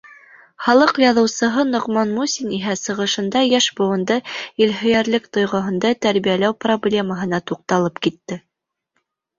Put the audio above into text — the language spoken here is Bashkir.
Халыҡ яҙыусыһы Ноғман Мусин иһә сығышында йәш быуынды илһөйәрлек тойғоһонда тәрбиәләү проблемаһына туҡталып китте.